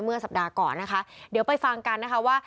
เมื่อสัปดาห์ก่อนนะคะเดี๋ยวไปฟังกันนะคะว่า